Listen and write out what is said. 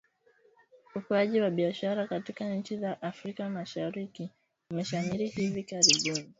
Ukuaji wa Biashara katika nchi za Afrika mashariki umeshamiri hivi karibuni.